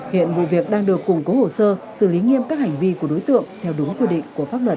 hiện vụ việc đang được củng cố hồ sơ xử lý nghiêm các hành vi của đối tượng theo đúng quy định của pháp luật